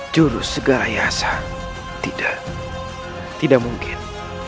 jurus segar ayasa tidak tidak mungkin